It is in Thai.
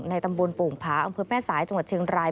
ในตำบูรณ์ปู่หุงพ้าองค์พฤตแม่สายจังหวัดเชียงราย